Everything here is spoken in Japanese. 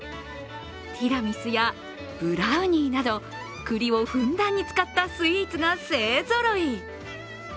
ティラミスや、ブラウニーなどくりをふんだんに使ったスイーツが勢ぞろい。